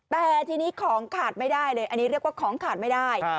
แต่ทีนี้ของขาดไม่ได้เลยอันนี้เรียกว่าของขาดไม่ได้